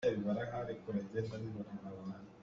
A mit a kut tuk khi a bat tuk caah a si.